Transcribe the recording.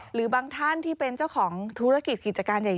หรือบางท่านที่เป็นเจ้าของธุรกิจกิจการใหญ่